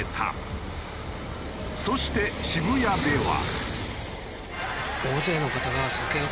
そして渋谷では。